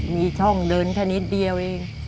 มีช่องเดินแค่นิดเดียวเอง